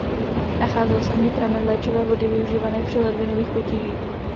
Nacházel se v ní pramen léčivé vody využívané při ledvinových potížích.